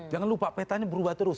jangan lupa petanya berubah terus